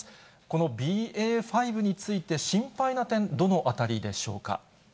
このＢＡ．５について、心配な点、どのあたりでしょうか。